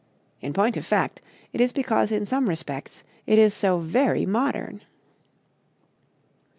In point of fact it is because in some respects it is so very modern.